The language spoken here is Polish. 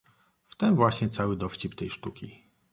"W tem właśnie cały dowcip tej sztuki."